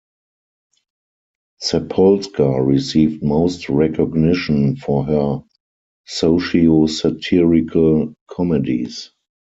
Zapolska received most recognition for her socio-satirical comedies.